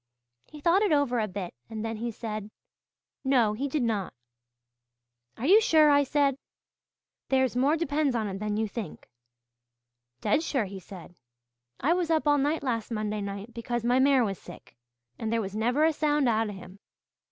He thought it over a bit, and then he said, 'No, he did not.' 'Are you sure?' I said. 'There's more depends on it than you think!' 'Dead sure,' he said. 'I was up all night last Monday night because my mare was sick, and there was never a sound out of him.